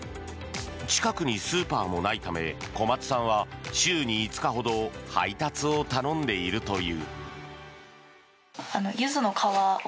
近くにスーパーもないため小松さんは週に５日ほど配達を頼んでいるという。